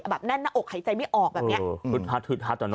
แบบแน่นหน้าอกหายใจไม่ออกแบบเนี้ยฮึดฮัดฮึดฮัดอ่ะเน